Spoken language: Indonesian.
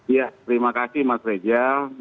ya terima kasih mas reza